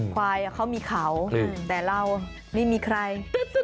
ควายเขามีเขาแต่เราไม่มีใคร